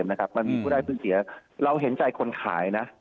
มันมีผู้ได้เพิ่งเสียเราเห็นใจคนขายนะ